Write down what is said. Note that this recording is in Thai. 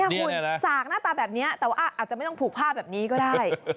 คุณสากหน้าตาแบบนี้แต่ว่าอาจจะไม่ต้องผูกผ้าแบบนี้ก็ได้